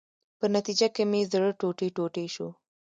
په نتیجه کې مې زړه ټوټې ټوټې شو.